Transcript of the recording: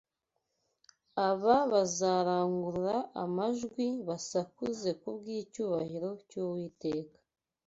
Aba bazarangurura amajwi, basakuze ku bw’icyubahiro cy’Uwiteka